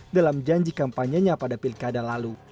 dalam janji kampanyenya pada pilkada lalu